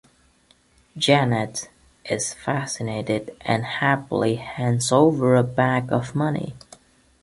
Jeanette is fascinated and happily hands over a bag of money.